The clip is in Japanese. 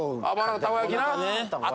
たこ焼きな。